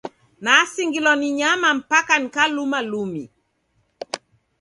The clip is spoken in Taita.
Nasingilwa ni nyama mpaka nikakuluma lumi!